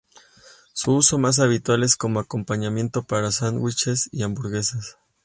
Su uso más habitual es como acompañamiento para sándwiches y hamburguesas.